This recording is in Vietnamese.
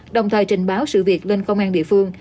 đồng thời trình báo sự việc lên công an địa phương